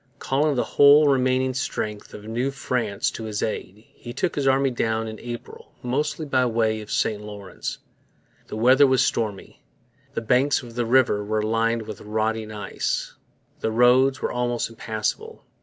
Calling the whole remaining strength of New France to his aid, he took his army down in April, mostly by way of the St Lawrence. The weather was stormy. The banks of the river were lined with rotting ice. The roads were almost impassable.